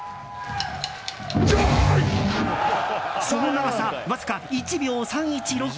その長さ、わずか１秒３１６。